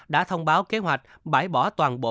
đã thông báo kế hoạch bãi bỏ toàn bộ